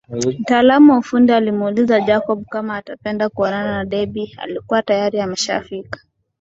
Mtaalamu wa ufundi alimuuliza Jacob kama atapenda kuonana na Debby alikuwa tayari ameshafika